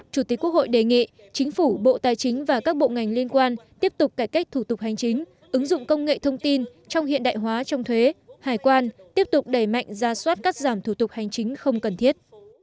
chủ tịch quốc hội đề nghị chính phủ bộ tài chính và các bộ ngành liên quan tiếp tục cải cách thủ tục hành chính ứng dụng công nghệ thông tin trong hiện đại hóa trong thuế hải quan tiếp tục đẩy mạnh ra soát cắt giảm thủ tục hành chính không cần thiết